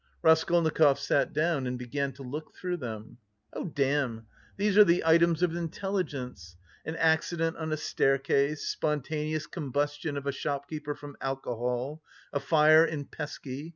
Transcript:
Raskolnikov sat down and began to look through them. "Oh, damn... these are the items of intelligence. An accident on a staircase, spontaneous combustion of a shopkeeper from alcohol, a fire in Peski...